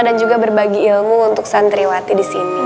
dan juga berbagi ilmu untuk santriwati disini